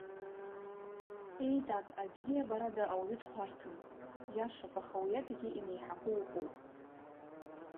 Еи, дад, абзиабарада ауаҩы дхәарҭам, иашоуп, аха уиадагьы инеиҳақәоу ыҟоуп.